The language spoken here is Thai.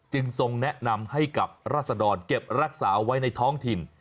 ทรงแนะนำให้กับราศดรเก็บรักษาไว้ในท้องถิ่น